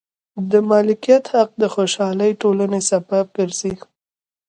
د مالکیت حق د خوشحالې ټولنې سبب ګرځي.